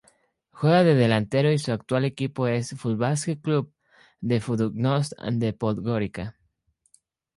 Juega de delantero y su actual equipo es el Fudbalski Klub Budućnost de Podgorica.